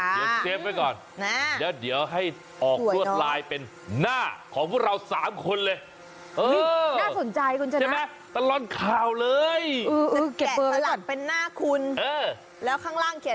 เดี๋ยวเตรียมไว้ก่อนเดี๋ยวให้ออกรวดลายเป็นหน้าของพวกเรา๓คนเลย